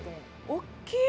おっきい！